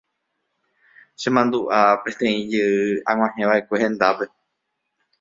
Chemandu'a peteĩ jey ag̃uahẽva'ekue hendápe.